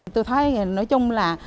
tôi thấy nói chung là